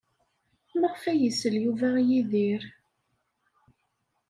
Maɣef ay isell Yuba i Yidir?